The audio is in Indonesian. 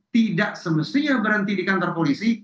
tidak semestinya berhenti di kantor polisi